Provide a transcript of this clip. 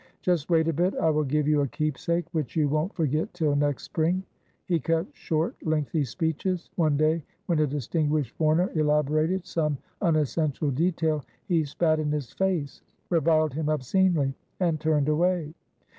"Just wait a bit, I will give you a keepsake, which you won't forget till next spring!" He cut short lengthy speeches. One day, when a dis tinguished foreigner elaborated some unessential detail, he spat in his face, reviled him obscenely, and turned away.